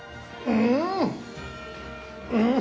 うん。